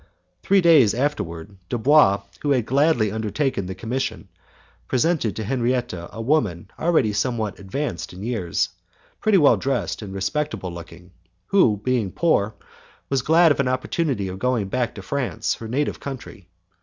Three days afterwards, Dubois, who had gladly undertaken the commission, presented to Henriette a woman already somewhat advanced in years, pretty well dressed and respectable looking, who, being poor, was glad of an opportunity of going back to France, her native country.